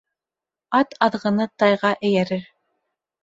Ат аҙғыны тайға эйәрер